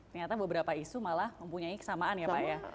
ternyata beberapa isu malah mempunyai kesamaan ya pak ya